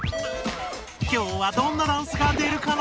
今日はどんなダンスが出るかな？